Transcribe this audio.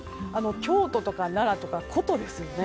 京都とか奈良とか古都ですよね。